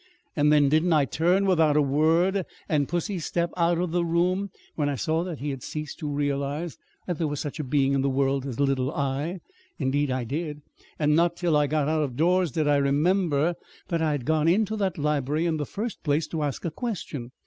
And then didn't I turn without a word and pussy step out of the room when I saw that he had ceased to realize that there was such a being in the world as little I? Indeed, I did! And not till I got out of doors did I remember that I had gone into that library in the first place to ask a question.